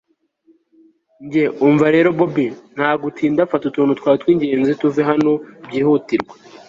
njye umva rero bobi! ntagutinda, fata utuntu twawe twingenzi tuve hano byihutirwa